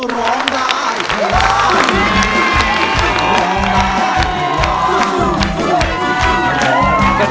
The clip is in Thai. สวัสดีครับ